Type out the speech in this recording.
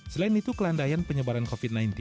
selain itu kelandaian penyebaran covid sembilan belas